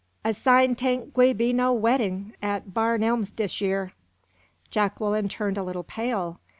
"A sign 'tain' gwi' be no weddin' at Barn Elms dis year." Jacqueline turned a little pale.